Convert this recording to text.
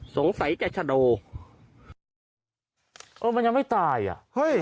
สงสัยจะชะโดเออมันยังไม่ตายอ่ะเฮ้ย